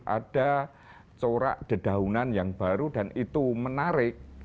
ada corak dedaunan yang baru dan itu menarik